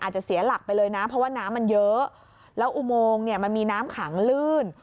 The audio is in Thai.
เสียหลักไปเลยนะเพราะว่าน้ำมันเยอะแล้วอุโมงเนี่ยมันมีน้ำขังลื่น